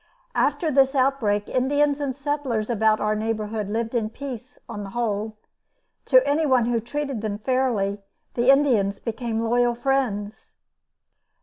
After this outbreak, Indians and settlers about our neighborhood lived in peace, on the whole. To anyone who treated them fairly, the Indians became loyal friends.